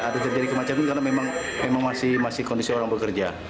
ada terjadi kemacetan karena memang masih kondisi orang bekerja